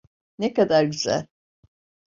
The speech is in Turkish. Ne kadar güzel.